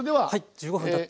１５分たって。